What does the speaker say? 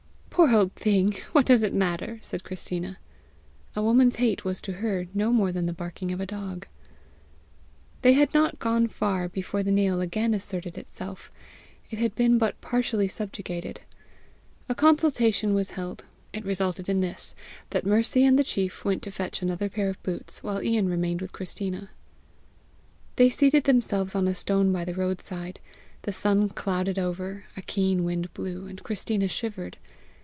"Poor old thing! what does it matter!" said Christina. A woman's hate was to her no more than the barking of a dog. They had not gone far, before the nail again asserted itself; it had been but partially subjugated. A consultation was held. It resulted in this, that Mercy and the chief went to fetch another pair of boots, while Ian remained with Christina. They seated themselves on a stone by the roadside. The sun clouded over, a keen wind blew, and Christina shivered.